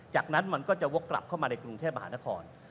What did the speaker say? จากนั้นมันก็จะวกกลับเข้ามาในกรุงเทพมหานคร